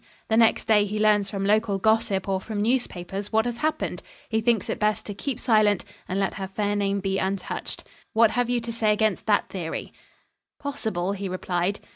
The next day he learns from local gossip or from newspapers what has happened. He thinks it best to keep silent and let her fair name be untouched...What have you to say against that theory?" "Possible," he replied.